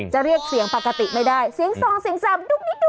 ใช้เมียได้ตลอด